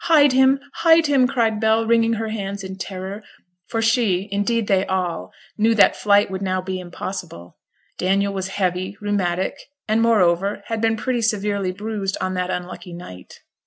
'Hide him, hide him,' cried Bell, wringing her hands in terror; for she, indeed they all, knew that flight would now be impossible. Daniel was heavy, rheumatic, and, moreover, had been pretty severely bruised on that unlucky night.